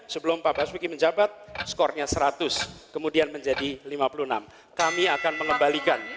sebelum pak basuki menjabat skornya seratus kemudian menjadi lima puluh enam kami akan mengembalikan